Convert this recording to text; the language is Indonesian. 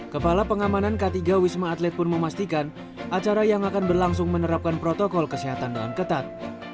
kepala pengamanan k tiga wisma atlet pun memastikan acara yang akan berlangsung menerapkan protokol kesehatan dengan ketat